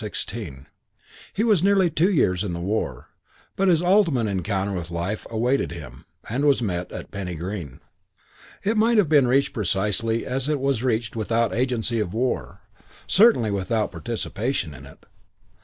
He was nearly two years in the war; but his ultimate encounter with life awaited him, and was met, at Penny Green. It might have been reached precisely as it was reached without agency of the war, certainly without participation in it.